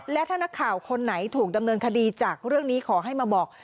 และถ้านักข่าวคนไหนถูกดำเนินคดีจากเรื่องนี้ขอให้มาบอก